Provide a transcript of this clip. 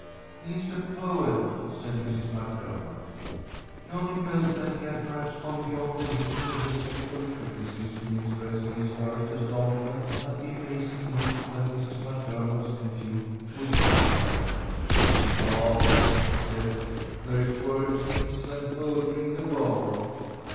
"He's a poet," said Mrs. MacDennott. Johnny felt that he had perhaps gone beyond the limits of respectful criticism in expressing his first astonishment at the amazing news that Mrs. MacDermott's nephew could not ride. "Well," he said, "there's worse things than poetry in the world."